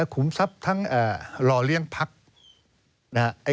ขุมทรัพย์ทั้งหล่อเลี้ยงพักนะครับ